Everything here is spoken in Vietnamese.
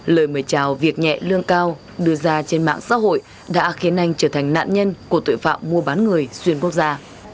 lời mời chào việc nhẹ lương cao đưa ra trên mạng xã hội đã khiến anh trở thành nạn nhân của tội phạm mua bán người xuyên quốc gia